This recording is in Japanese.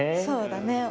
そうだね。